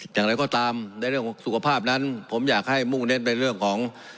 อย่างไรก็ตามในเรื่องของสุขภาพนั้นผมอยากให้มุ่งเน้นไปเรื่องของ